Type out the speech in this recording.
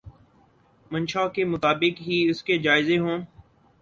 منشاء کے مطابق ہی اس کے جائزے ہوں۔